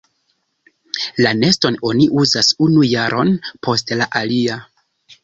La neston oni uzas unu jaron post la alia.